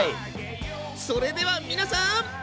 それでは皆さん。